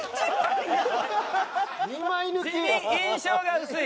「地味印象が薄い」